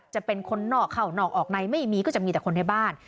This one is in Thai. จะเป็นคนนอกเข้านอกออกในไม่มีก็จะมีแต่คนในบ้าน